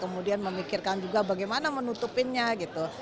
kemudian memikirkan juga bagaimana menutupinnya gitu